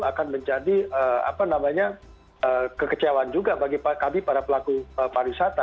akan menjadi kekecewaan juga bagi kami para pelaku pariwisata